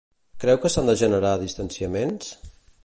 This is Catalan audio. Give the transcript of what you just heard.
Creu que s'han de generar distanciaments?